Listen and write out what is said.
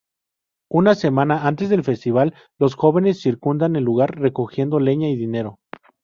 Una semana antes del festival, los jóvenes circundan el lugar, recogiendo leña y dinero.